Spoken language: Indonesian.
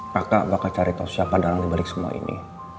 kakak bakal cari tau siapa dalam dibalik semua ini